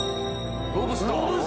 ロブスター？